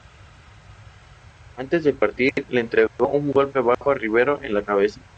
Antes de partir, le entregó un golpe bajo a Rivero en la cabeza.